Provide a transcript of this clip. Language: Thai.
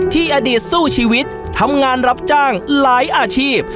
อดีตสู้ชีวิตทำงานรับจ้างหลายอาชีพ